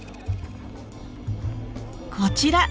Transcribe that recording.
こちら！